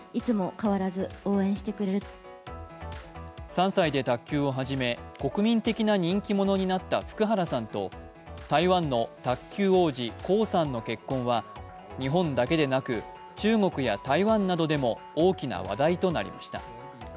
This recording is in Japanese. ３歳で卓球を始め、国民的な人気者になった福原さんと台湾の卓球王子・江さんの結婚は日本だけでなく中国や台湾などでも大きな話題となりました。